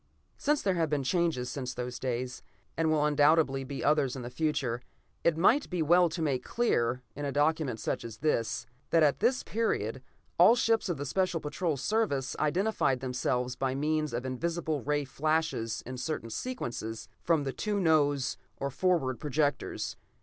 Since there have been changes since those days, and will undoubtedly be others in the future, it might be well to make clear, in a document such is this, that at this period, all ships of the Special Patrol Service identified themselves by means of invisible rays flashed in certain sequences, from the two nose, or forward, projectors.